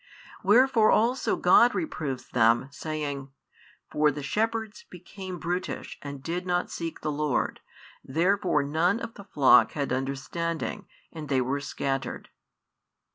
Wherefore also God reproves them, saying: For the shepherds became brutish, and did not seek the Lord; therefore none of the flock had understanding, and they were scattered.